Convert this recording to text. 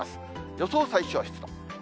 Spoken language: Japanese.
予想最小湿度。